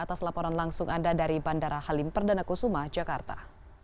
atas laporan langsung anda dari bandara halim perdana kusuma jakarta